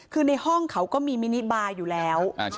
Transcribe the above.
คือในห้องเขาก็มีมินิบาอยู่แล้ว